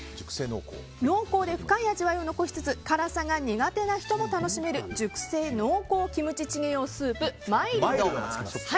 濃厚で深い味わいを残しつつ辛さが苦手な人も楽しめる熟成濃厚キムチチゲ用スープマイルド。